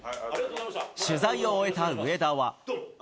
取材を終えた上田は。